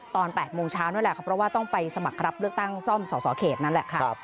ตอน๘โมงเช้านั่นแหละครับเพราะว่าต้องไปสมัครรับเลือกตั้งซ่อมสสเขตนั่นแหละค่ะ